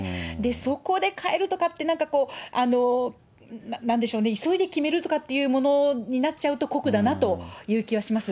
そこで変えるとかって、なんかこう、なんでしょうね、急いで決めるとかっていうことになっちゃうと、酷だなという気はします。